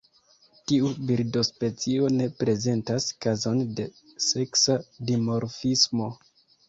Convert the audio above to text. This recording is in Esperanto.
Tiu birdospecio ne prezentas kazon de seksa dimorfismo.